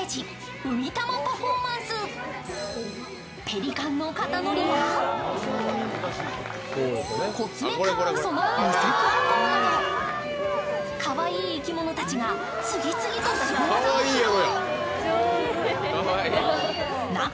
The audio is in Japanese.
ペリカンの肩乗りやコツメカワウソの二足歩行などかわいい生き物たちが次々と演技を披露。